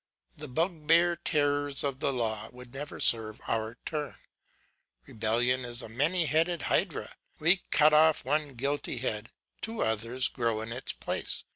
The bugbear terrors of the law would never serve our turn. Rebellion is a many headed Hydra: we cut off one guilty head, two others grow in its place.